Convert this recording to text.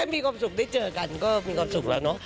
มีความสุขได้เจอกันก็มีความสุขแล้วเนอะ